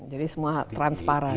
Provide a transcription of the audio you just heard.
jadi semua transparan ya